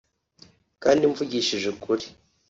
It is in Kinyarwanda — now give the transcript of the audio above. kandi mvugishije ukuri